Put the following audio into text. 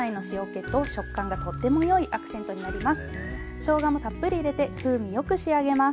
しょうがもたっぷり入れて風味よく仕上げます。